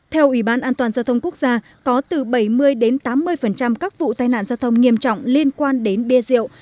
theo ủy ban an toàn giao thông quốc gia có từ bảy mươi đến tám mươi các vụ tai nạn giao thông nghiêm trọng liên quan đến bia rượu